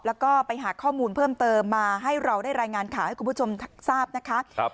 แล้วก็ไปหาข้อมูลเพิ่มเติมมาให้เราได้รายงานข่าวให้คุณผู้ชมทราบนะคะ